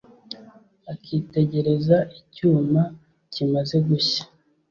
akitegereza icyuma kimaze gushya